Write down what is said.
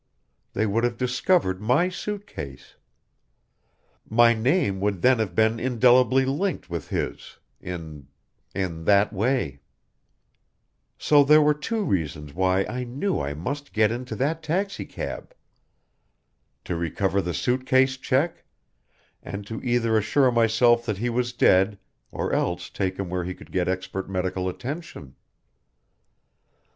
They would have discovered my suit case. My name would then have been indelibly linked with his in in that way "So there were two reasons why I knew I must get into that taxicab: to recover the suit case check and to either assure myself that he was dead, or else take him where he could get expert medical attention.